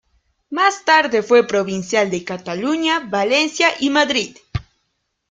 Más tarde fue provincial de Cataluña, Valencia y Madrid.